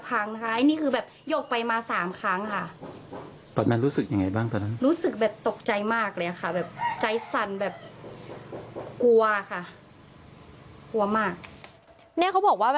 ส่วนอันนี้เป็นอีกหนึ่งจุดที่ได้รับผลกระทบค่ะ